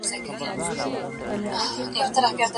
ميرمني هم پدې امر سوي دي، چي د خاوندانو سره ښه ژوند وکړي